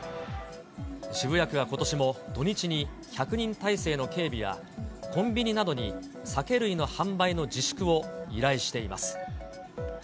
渋谷区はことしも土日に１００人態勢の警備や、コンビニなどに酒類の販売の自粛を依頼しています。